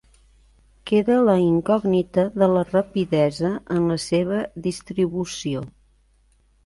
Queda la incògnita de la rapidesa en la seva distribució.